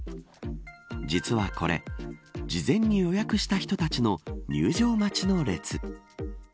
実は、これ事前に予約した人たちの入場待ちの列。